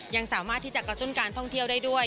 ยังสามารถที่จะกระตุ้นการท่องเที่ยวได้ด้วย